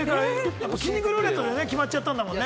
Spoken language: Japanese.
筋肉ルーレットで決まっちゃったんだもんね。